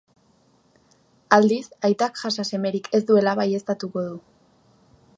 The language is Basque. Aldiz, aitak jasa semerik ez duela baieztatuko du.